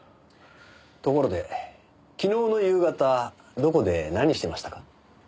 ところで昨日の夕方どこで何してましたか？